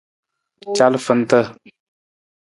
Calafanta.